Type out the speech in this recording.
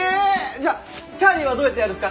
じゃあチャーリーはどうやってやるんすか？